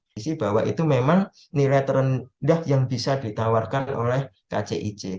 sisi bahwa itu memang nilai terendah yang bisa ditawarkan oleh kcic